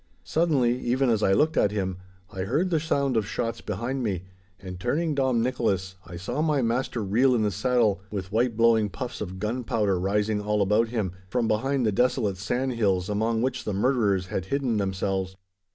Suddenly, even as I looked at him, I heard the sound of shots behind me, and, turning Dom Nicholas, I saw my master reel in his saddle, with white blowing puffs of gunpowder rising all about him, from behind the desolate sandhills among which the murderers had hidden themselves.